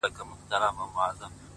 دا خپله وم”